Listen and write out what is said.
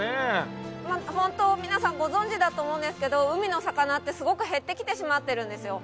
本当皆さんご存じだと思うんですけど海の魚ってすごく減ってきてしまっているんですよ。